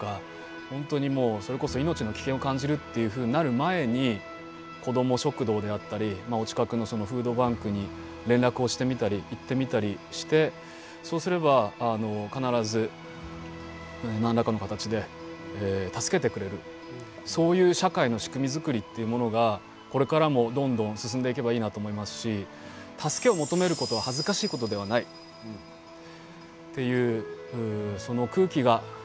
本当にもうそれこそ命の危険を感じるっていうふうになる前に子ども食堂であったりお近くのフードバンクに連絡をしてみたり行ってみたりしてそうすれば必ず何らかの形で助けてくれるそういう社会の仕組みづくりっていうものがこれからもどんどん進んでいけばいいなと思いますしっていううん。